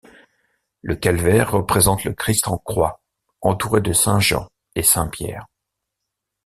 Le calvaire représente le Christ en croix entouré de Saint-Jean et Saint-Pierre.